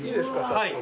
早速。